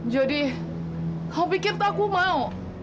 kau pikir aku mau